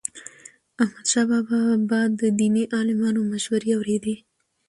احمدشاه بابا به د دیني عالمانو مشورې اوريدي.